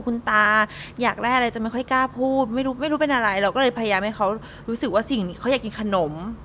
คุณตาอยากได้อะไรจะไม่ค่อยกล้าพูดไม่รู้ไม่รู้เป็นอะไรเราก็เลยพยายามให้เขารู้สึกว่าสิ่งนี้เขาอยากกินขนม